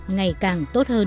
ngày càng tốt hơn